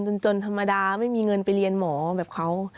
จนธรรมดาไม่มีเงินไปเรียนหมอแบบเขา